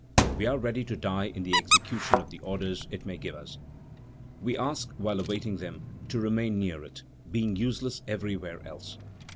We are ready to die in the execution of the orders it may give us. We ask, while awaiting them, to remain near it, being useless everywhere else."